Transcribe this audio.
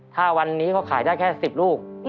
ถ้าวันนี้เขาขายได้แค่๑๐ลูก